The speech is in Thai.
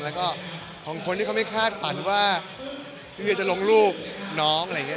แล้วก็ของคนที่เขาไม่คาดฝันว่าพี่เวียจะลงรูปน้องอะไรอย่างนี้